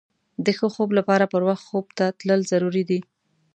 د ښه خوب لپاره پر وخت خوب ته تلل ضروري دي.